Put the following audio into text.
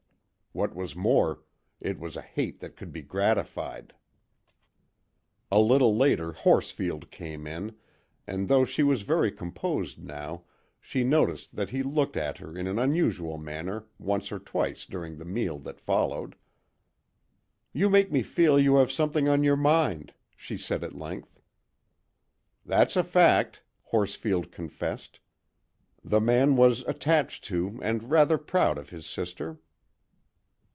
What was more, it was a hate that could be gratified. A little later, Horsfield came in, and though she was very composed now, she noticed that he looked at her in an unusual manner once or twice during the meal that followed. "You make me feel you have something on your mind," she said at length. "That's a fact," Horsfield confessed. The man was attached to and rather proud of his sister.